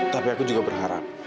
tapi aku juga berharap